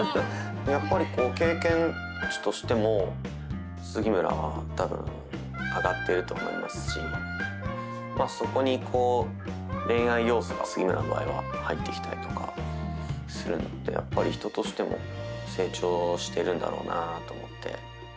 やっぱり経験値としても杉村は多分上がってると思いますしそこに恋愛要素が、杉村の場合は入ってきたりとかするのでやっぱり人としても成長しているんだろうなと思って。